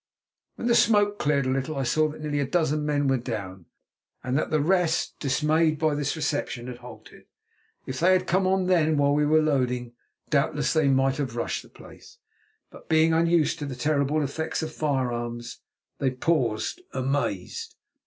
When the smoke cleared a little I saw that nearly a dozen men were down, and that the rest, dismayed by this reception, had halted. If they had come on then, while we were loading, doubtless they might have rushed the place; but, being unused to the terrible effects of firearms, they paused, amazed.